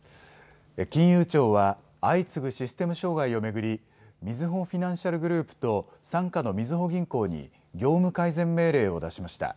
金融庁は、相次ぐシステム障害を巡り、みずほフィナンシャルグループと、傘下のみずほ銀行に、業務改善命令を出しました。